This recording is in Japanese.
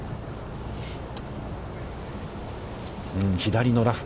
左のラフ。